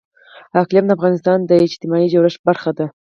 اقلیم د افغانستان د اجتماعي جوړښت برخه ده.